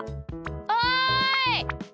おい！